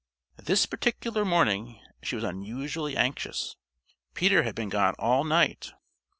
This particular morning she was unusually anxious. Peter had been gone all night.